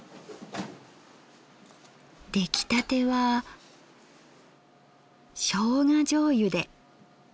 出来たてはしょうがじょうゆで。